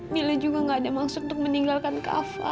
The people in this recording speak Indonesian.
mila juga nggak ada maksud untuk meninggalkan kak fadil